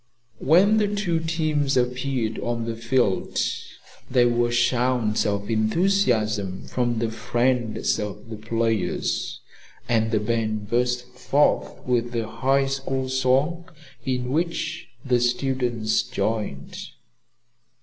When the two teams appeared on the field there were shouts of enthusiasm from the friends of the players, and the band burst forth with the High School song, in which the students joined.